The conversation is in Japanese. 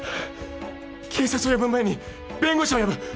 警察を呼ぶ前に弁護士を呼ぶ